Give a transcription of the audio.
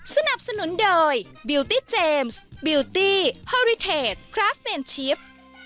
สนับสนุนโดยบิวตี้เจมส์บิลตี้ฮอริเทจคราฟเมนชิป